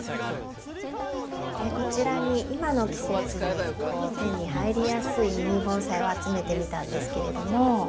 こちらに今の季節に手に入りやすいミニ盆栽を集めてみたんですけれども。